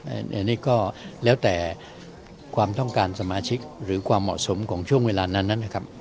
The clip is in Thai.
อันนี้ก็แล้วแต่ความต้องการสมาชิกหรือความเหมาะสมของช่วงเวลานั้นนะครับ